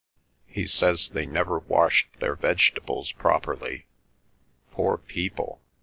He says they never washed their vegetables properly. Poor people!